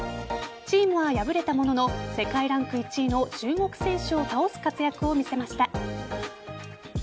チームは敗れたものの世界ランク１位の中国選手を倒す活躍を見せました。